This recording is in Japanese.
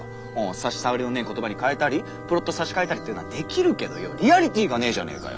さし障りのねー言葉に変えたりプロットを差し替えたりってのはできるけどよォ「リアリティ」がねーじゃねーかよ。